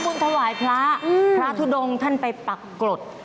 คุณถวายพระพระทุดงท่านไปปักกรด